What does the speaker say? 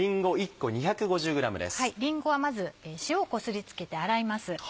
りんごはまず塩をこすり付けて洗います。